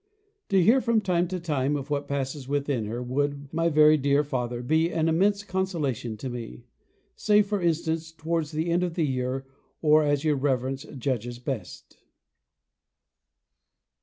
To hear from time to time of what passes within her would, my very dear Father, be an immense consolation to me: say, for instance, towards the end of the year, or as your Reverence judges best.